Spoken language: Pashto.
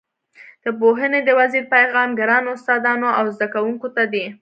د پوهنې د وزیر پیغام ګرانو استادانو او زده کوونکو ته دی.